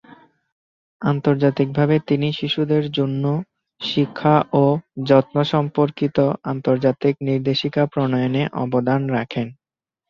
আন্তর্জাতিকভাবে, তিনি শিশুদের জন্য শিক্ষা ও যত্ন সম্পর্কিত আন্তর্জাতিক নির্দেশিকা প্রণয়নে অবদান রাখেন।